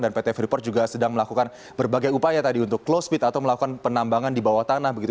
dan pt freeport juga sedang melakukan berbagai upaya tadi untuk close bid atau melakukan penambangan di bawah tanah begitu